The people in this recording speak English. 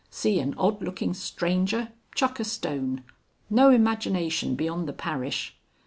See an odd looking stranger. Chuck a stone. No imagination beyond the parish....